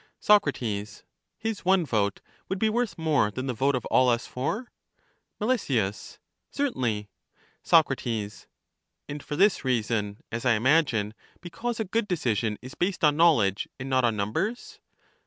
Soc, His one vote would be worth more than the vote of all us four? Mel, Certainly. Soc, And for this reason, as I imagine, — because a good decision is based on knowledge and not on numbers?